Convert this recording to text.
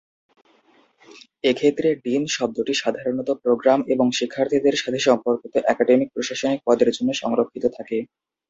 এক্ষেত্রে "ডিন" শব্দটি সাধারণত প্রোগ্রাম এবং শিক্ষার্থীদের সাথে সম্পর্কিত একাডেমিক প্রশাসনিক পদের জন্য সংরক্ষিত থাকে।